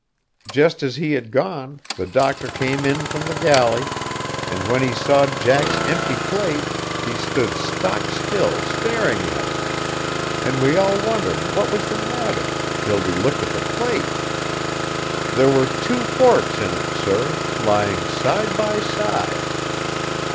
Just as he had gone, the doctor came in from the galley, and when he saw Jack's empty plate he stood stock still staring at it; and we all wondered what was the matter, till we looked at the plate. There were two forks in it, sir, lying side by side.